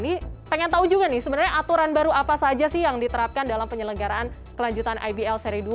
ini pengen tahu juga nih sebenarnya aturan baru apa saja sih yang diterapkan dalam penyelenggaraan kelanjutan ibl seri dua